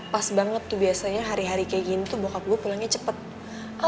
pas banget tuh biasanya hari hari kayak gini tuh bokap gue pulangnya cepet banget